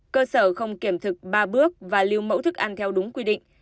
cơ sở không kiểm thực ba bước và lưu mẫu thức ăn theo đúng quy định